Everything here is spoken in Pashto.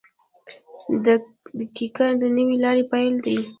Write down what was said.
• دقیقه د نوې لارې پیل دی.